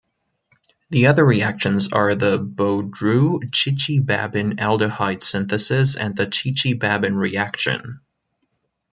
The other reactions are the Bodroux-Chichibabin aldehyde synthesis and the Chichibabin reaction.